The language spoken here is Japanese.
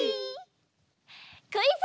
クイズ！